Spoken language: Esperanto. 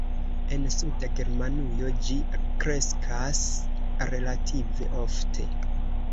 En suda Germanujo ĝi kreskas relative ofte.